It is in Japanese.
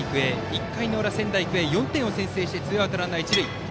１回の裏、仙台育英が４点を先制してツーアウトランナー、一塁。